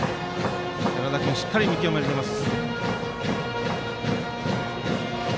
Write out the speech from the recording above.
寺田君はしっかり見極めています。